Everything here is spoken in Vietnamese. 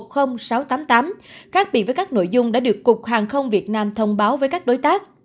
khác biệt với các nội dung đã được cục hàng không việt nam thông báo với các đối tác